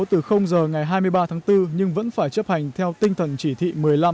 từ giờ ngày hai mươi ba tháng bốn nhưng vẫn phải chấp hành theo tinh thần chỉ thị một mươi năm